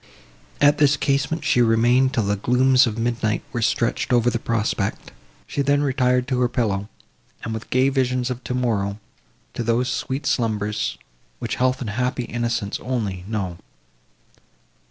At this casement, she remained till the glooms of midnight were stretched over the prospect. She then retired to her pillow, and, "with gay visions of tomorrow," to those sweet slumbers, which health and happy innocence only know.